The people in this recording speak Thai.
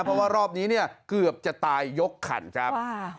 เพราะว่ารอบนี้เนี่ยเกือบจะตายยกขันครับ